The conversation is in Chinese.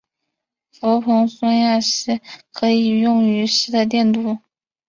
氟硼酸亚锡可以用于锡的电镀。